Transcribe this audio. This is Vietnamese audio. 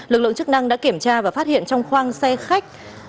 lực lượng chức năng đã kiểm tra và phát hiện trong khoang xe khách